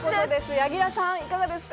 柳楽さん、いかがですか？